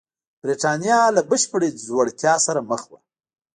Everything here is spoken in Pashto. برېټانیا له بشپړې ځوړتیا سره مخ وه.